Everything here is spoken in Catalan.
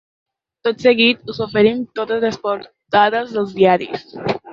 Tot seguit us oferim totes les portades dels diaris.